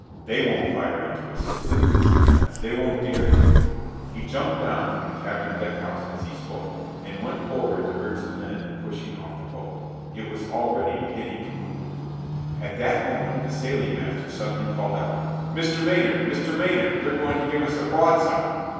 "They won't fire into us," said the lieutenant. "They won't dare to." He jumped down from the cabin deckhouse as he spoke, and went forward to urge the men in pushing off the boat. It was already beginning to move. At that moment the sailing master suddenly called out, "Mr. Maynard! Mr. Maynard! they're going to give us a broadside!"